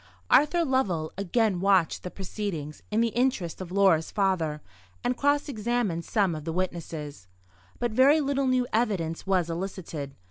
Arthur Lovell again watched the proceedings in the interest of Laura's father, and cross examined some of the witnesses. But very little new evidence was elicited.